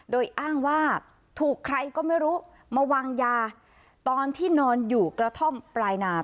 โดยอ้างว่าถูกใครก็ไม่รู้มาวางยาตอนที่นอนอยู่กระท่อมปลายนา